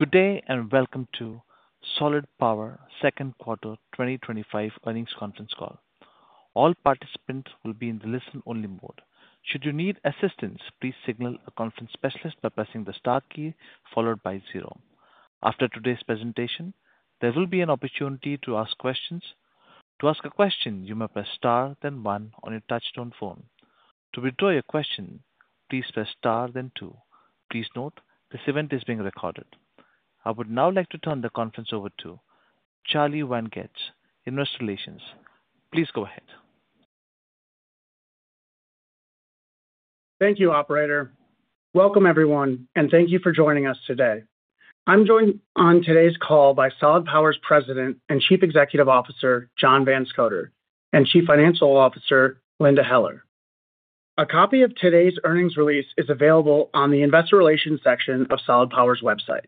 Good day and welcome to Solid Power Second Quarter 2025 Earnings Conference Call. All participants will be in the listen-only mode. Should you need assistance, please signal a conference specialist by pressing the star key followed by zero. After today's presentation, there will be an opportunity to ask questions. To ask a question, you may press star, then one on your touchtone phone. To withdraw your question, please press star, then two. Please note, this event is being recorded. I would now like to turn the conference over to Charlie Vangetz, Investor Relations. Please go ahead. Thank you, operator. Welcome, everyone, and thank you for joining us today. I'm joined on today's call by Solid Power's President and Chief Executive Officer, John Van Scoter, and Chief Financial Officer, Linda Heller. A copy of today's earnings release is available on the investor relations section of Solid Power's website,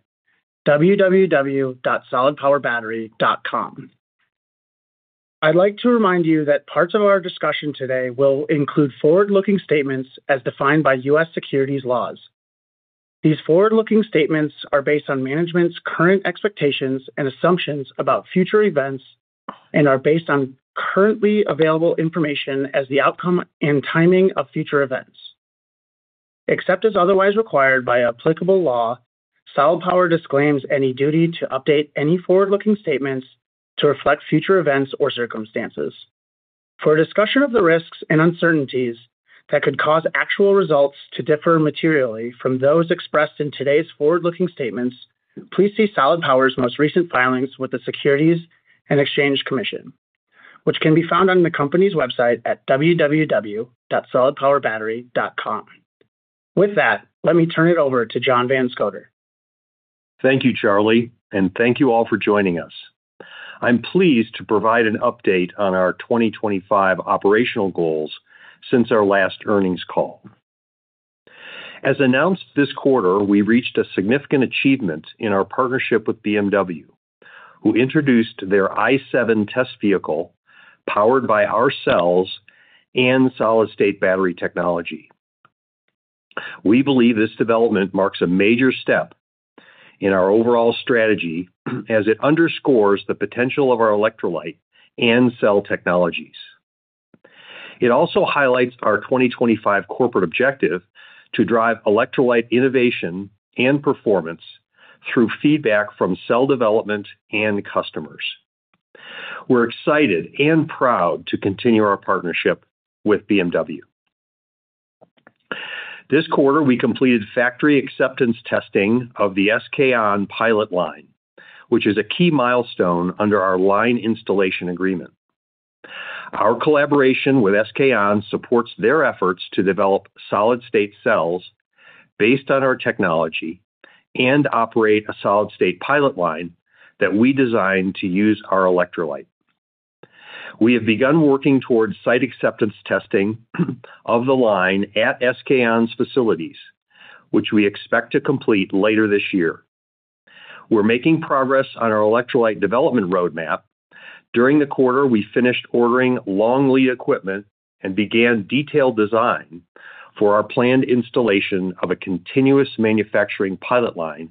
www.solidpowerbattery.com. I'd like to remind you that parts of our discussion today will include forward-looking statements as defined by U.S. securities laws. These forward-looking statements are based on management's current expectations and assumptions about future events and are based on currently available information as the outcome and timing of future events. Except as otherwise required by applicable law, Solid Power disclaims any duty to update any forward-looking statements to reflect future events or circumstances. For a discussion of the risks and uncertainties that could cause actual results to differ materially from those expressed in today's forward-looking statements, please see Solid Power's most recent filings with the Securities and Exchange Commission, which can be found on the company's website at www.solidpowerbattery.com. With that, let me turn it over to John Van Scoter. Thank you, Charlie, and thank you all for joining us. I'm pleased to provide an update on our 2025 operational goals since our last earnings call. As announced this quarter, we reached a significant achievement in our partnership with BMW, who introduced their i7 test vehicle powered by ourselves and solid-state battery technology. We believe this development marks a major step in our overall strategy as it underscores the potential of our electrolyte and cell technologies. It also highlights our 2025 corporate objective to drive electrolyte innovation and performance through feedback from cell development and customers. We're excited and proud to continue our partnership with BMW. This quarter, we completed factory acceptance testing of the SK On pilot line, which is a key milestone under our line installation agreement. Our collaboration with SK On supports their efforts to develop solid-state cells based on our technology and operate a solid-state pilot line that we designed to use our electrolyte. We have begun working towards site acceptance testing of the line at SK On’s facilities, which we expect to complete later this year. We're making progress on our electrolyte development roadmap. During the quarter, we finished ordering long lead equipment and began detailed design for our planned installation of a continuous manufacturing pilot line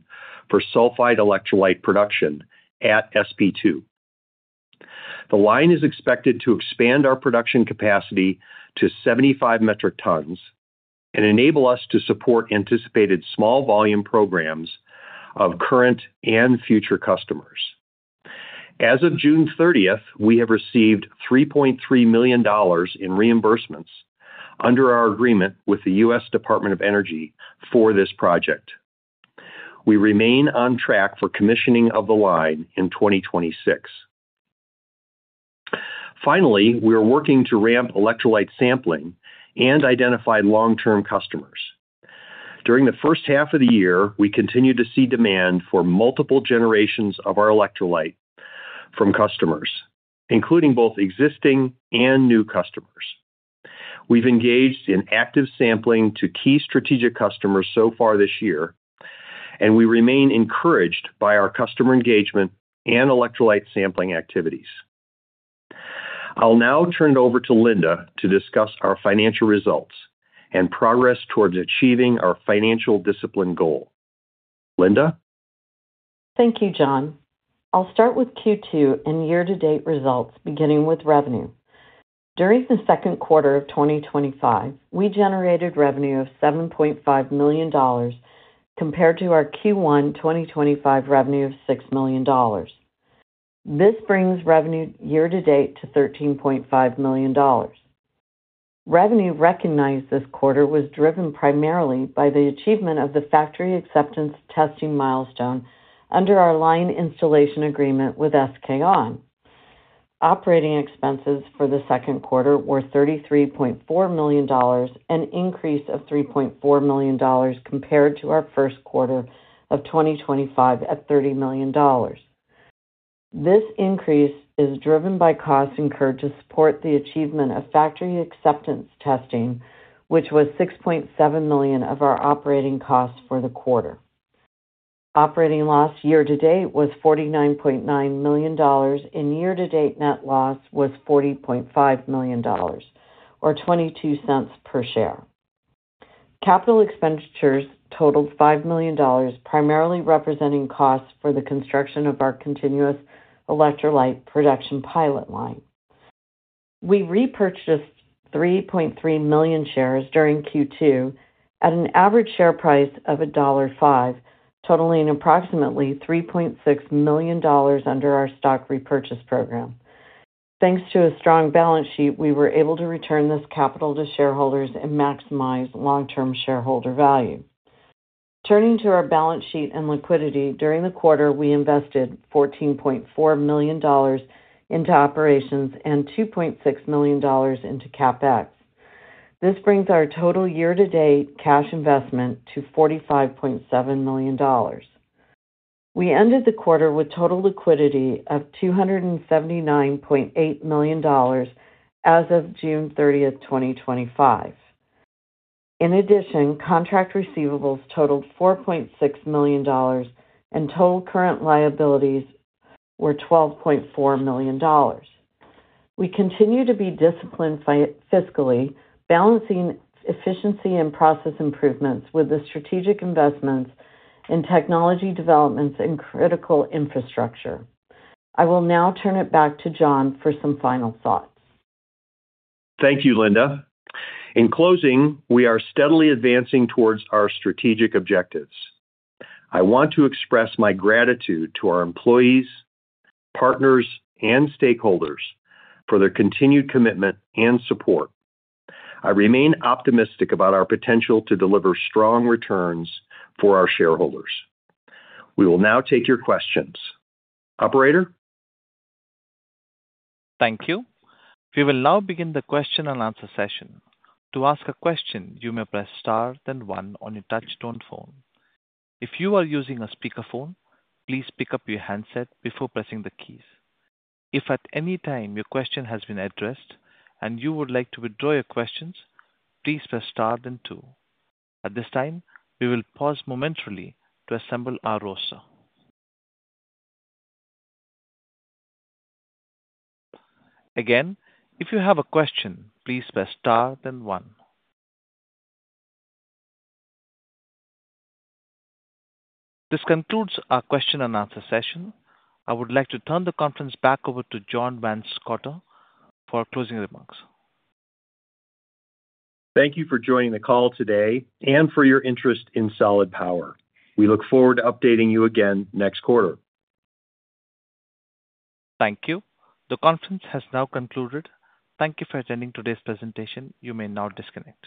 for sulfide electrolyte production at SP2. The line is expected to expand our production capacity to 75 metric tons and enable us to support anticipated small volume programs of current and future customers. As of June 30th, we have received $3.3 million in reimbursements under our agreement with the U.S. Department of Energy for this project. We remain on track for commissioning of the line in 2026. Finally, we are working to ramp electrolyte sampling and identify long-term customers. During the first half of the year, we continued to see demand for multiple generations of our electrolyte from customers, including both existing and new customers. We've engaged in active sampling to key strategic customers so far this year, and we remain encouraged by our customer engagement and electrolyte sampling activities. I'll now turn it over to Linda to discuss our financial results and progress towards achieving our financial discipline goal. Linda? Thank you, John. I'll start with Q2 and year-to-date results, beginning with revenue. During the second quarter of 2025, we generated revenue of $7.5 million compared to our Q1 2025 revenue of $6 million. This brings revenue year-to-date to $13.5 million. Revenue recognized this quarter was driven primarily by the achievement of the factory acceptance testing milestone under our line installation agreement with SK On. Operating expenses for the second quarter were $33.4 million, an increase of $3.4 million compared to our first quarter of 2025 at $30 million. This increase is driven by costs incurred to support the achievement of factory acceptance testing, which was $6.7 million of our operating costs for the quarter. Operating loss year-to-date was $49.9 million, and year-to-date net loss was $40.5 million, or $0.22 per share. Capital expenditures totaled $5 million, primarily representing costs for the construction of our continuous sulfide electrolyte pilot line. We repurchased 3.3 million shares during Q2 at an average share price of $1.05, totaling approximately $3.6 million under our stock repurchase program. Thanks to a strong balance sheet, we were able to return this capital to shareholders and maximize long-term shareholder value. Turning to our balance sheet and liquidity, during the quarter, we invested $14.4 million into operations and $2.6 million into CapEx. This brings our total year-to-date cash investment to $45.7 million. We ended the quarter with total liquidity of $279.8 million as of June 30th, 2025. In addition, contract receivables totaled $4.6 million, and total current liabilities were $12.4 million. We continue to be disciplined fiscally, balancing efficiency and process improvements with the strategic investments in technology developments and critical infrastructure. I will now turn it back to John for some final thoughts. Thank you, Linda. In closing, we are steadily advancing towards our strategic objectives. I want to express my gratitude to our employees, partners, and stakeholders for their continued commitment and support. I remain optimistic about our potential to deliver strong returns for our shareholders. We will now take your questions. Operator? Thank you. We will now begin the question-and-answer session. To ask a question, you may press star, then one on your touchtone phone. If you are using a speakerphone, please pick up your handset before pressing the keys. If at any time your question has been addressed and you would like to withdraw your questions, please press star, then two. At this time, we will pause momentarily to assemble our roster. Again, if you have a question, please press star, then one. This concludes our question-and-answer session. I would like to turn the conference back over to John Van Scoter for closing remarks. Thank you for joining the call today and for your interest in Solid Power. We look forward to updating you again next quarter. Thank you. The conference has now concluded. Thank you for attending today's presentation. You may now disconnect.